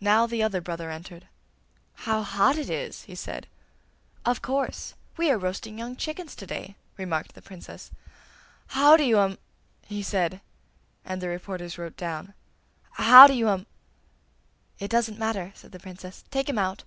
Now the other brother entered. 'How hot it is!' he said. 'Of course! We are roasting young chickens to day!' remarked the Princess. 'How do you um!' he said, and the reporters wrote down. 'How do you um.' 'It doesn't matter!' said the Princess. 'Take him out!